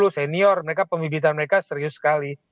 dua puluh senior mereka pemibitan mereka serius sekali